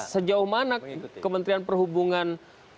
sejauh mana kementerian perhubungan